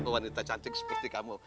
wanita cantik seperti kamu